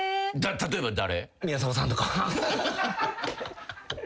例えば誰？